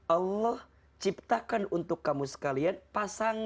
allah ciptakan untuk kamu sekalian pasangan